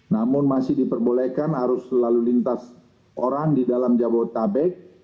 namun masih diperbolehkan arus lalu lintas orang di dalam jabodetabek